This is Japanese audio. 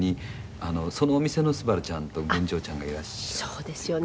そうですよね。